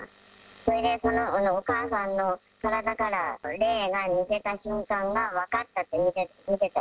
それでそのお母さんの体から霊が抜けた瞬間が分かったって、見てて。